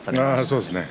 そうですね。